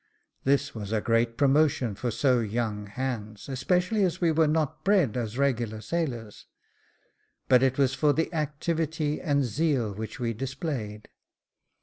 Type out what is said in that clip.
This was great promotion for so young hands, especially as we were not bred as regular sailors ; but it was for the activity and zeal which we displayed.